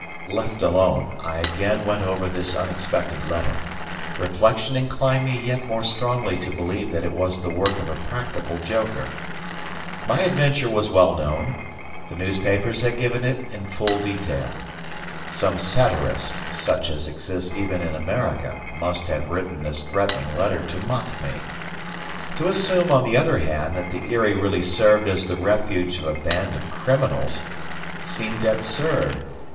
Left alone, I again went over this unexpected letter. Reflection inclined me yet more strongly to believe that it was the work of a practical joker. My adventure was well known. The newspapers had given it in full detail. Some satirist, such as exists even in America, must have written this threatening letter to mock me. To assume, on the other hand, that the Eyrie really served as the refuge of a band of criminals, seemed absurd.